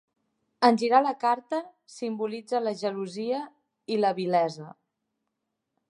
En girar la carta, simbolitza la gelosia i la vilesa.